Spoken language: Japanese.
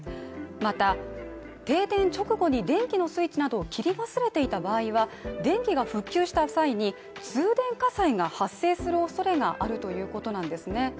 また、停電直後に電気のスイッチなどを切り忘れていた場合は、電気が復旧した際に通電火災が発生する恐れがあるということなんですね。